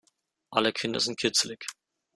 Alle Kinder sind kitzelig.